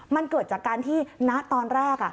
มันเกิดจากการที่ณตอนแรก